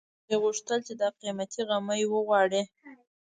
دوی غوښتل چې دا قيمتي غمی وغواړي